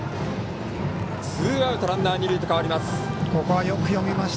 ツーアウト、ランナー、二塁と変わります。